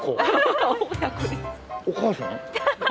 お母さん？